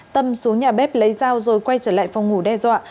tâm xuống nhà bếp lấy dao rồi quay trở lại phòng ngủ đe dọa